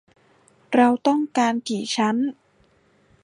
เราต้องการกี่ชั้น ?